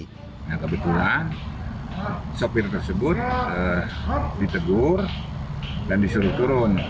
nah kebetulan sopir tersebut ditegur dan disuruh turun